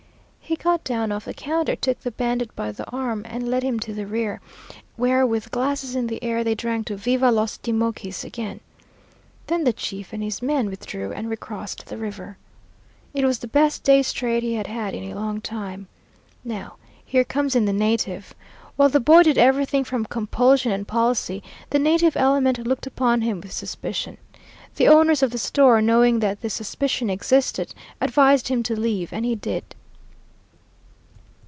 He got down off the counter, took the bandit by the arm, and led him to the rear, where with glasses in the air they drank to 'Viva los Timochis!' again. Then the chief and his men withdrew and recrossed the river. It was the best day's trade he had had in a long time. Now, here comes in the native. While the boy did everything from compulsion and policy, the native element looked upon him with suspicion. The owners of the store, knowing that this suspicion existed, advised him to leave, and he did."